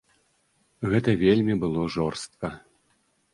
Гэта вельмі было жорстка.